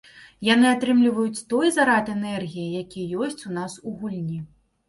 Яны атрымліваюць той зарад энергіі, які ёсць у нас у гульні.